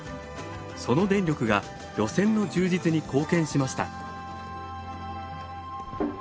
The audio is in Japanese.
その電力が路線の充実に貢献しました。